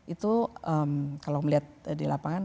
itu kalau melihat di lapangan